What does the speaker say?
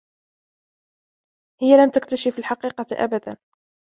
هي لم تكتشف الحقيقة أبدا.